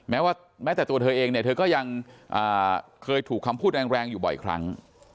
แม้ว่าแม้แต่ตัวเธอเองเนี่ยเธอก็ยังเคยถูกคำพูดแรงอยู่บ่อยครั้ง